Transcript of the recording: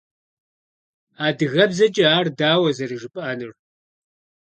Адыгэбзэкӏэ ар дауэ зэрыжыпӏэнур?